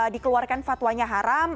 dikeluarkan fatwanya haram